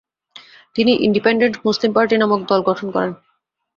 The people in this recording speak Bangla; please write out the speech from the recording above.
তিনি ইন্ডিপেন্ডেন্ট মুসলিম পার্টি নামক দল গঠন করেন।